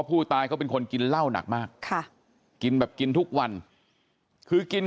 ผู้ตายเขาเป็นคนกินเหล้าหนักมากค่ะกินแบบกินทุกวันคือกิน